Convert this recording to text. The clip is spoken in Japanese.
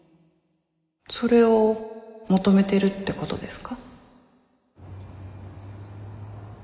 それを求めてるってことですか？